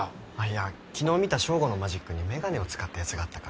いや昨日見たＳＨＯＧＯのマジックに眼鏡を使ったやつがあったから。